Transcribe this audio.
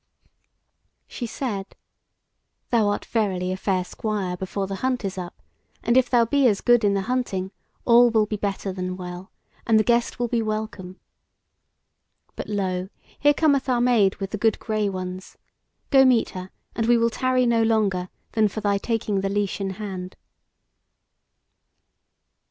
She said: "Thou art verily a fair squire before the hunt is up, and if thou be as good in the hunting, all will be better than well, and the guest will be welcome. But lo! here cometh our Maid with the good grey ones. Go meet her, and we will tarry no longer than for thy taking the leash in hand."